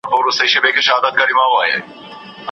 ګډ چي په محفل کي جهاني غزلخوان وویني.